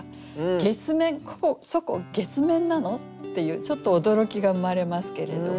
月面「そこ月面なの？」っていうちょっと驚きが生まれますけれども。